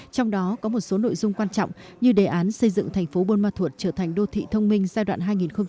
trong đó có một số nội dung quan trọng như đề án xây dựng thành phố buôn ma thuột trở thành đô thị thông minh giai đoạn hai nghìn hai mươi hai nghìn hai mươi năm